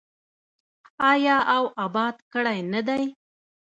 آیا او اباد کړی نه دی؟